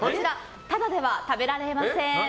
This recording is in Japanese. タダでは食べられません。